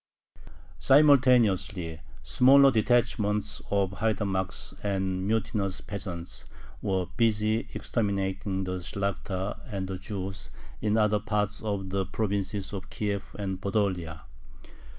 Simultaneously smaller detachments of haidamacks and mutinous peasants were busy exterminating the Shlakhta and the Jews in other parts of the provinces of Kiev and Podolia.